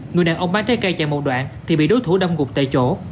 người đàn ông bán trái cây chạy một đoạn thì bị đối thủ đâm gục tại chỗ